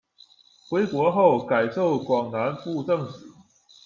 回国后，改授广南布政使。